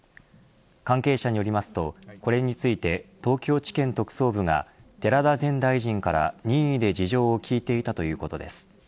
関係者によりますとこれについて東京地検特捜部が寺田前大臣から任意で事情を聴いていたということです。